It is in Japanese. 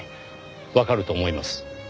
わかると思います。